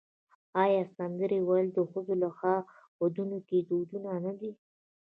آیا سندرې ویل د ښځو لخوا په ودونو کې دود نه دی؟